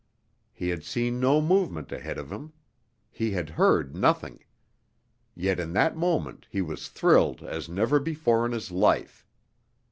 He had seen no movement ahead of him. He had heard nothing. Yet in that moment he was thrilled as never before in his life.